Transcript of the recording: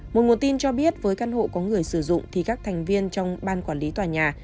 một nguồn tin cho biết với căn hộ có người sử dụng thì các thành viên trong ban quản lý tòa nhà